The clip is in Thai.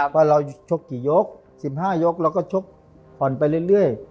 ว่าเราชกกี่ยก๑๕ยกเราก็ชกผ่อนไปเรื่อย